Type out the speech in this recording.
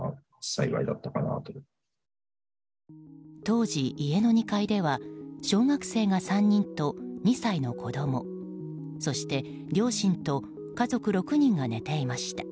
当時、家の２階では小学生が３人と２歳の子供そして両親と家族６人が寝ていました。